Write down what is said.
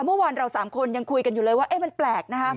เมื่อวานเรา๓คนยังคุยกันอยู่เลยว่ามันแปลกนะฮะ